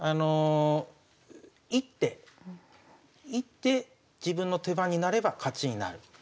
一手一手自分の手番になれば勝ちになる。